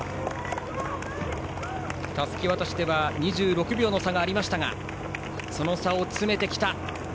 たすき渡しでは２６秒の差がありましたがその差を詰めてきた。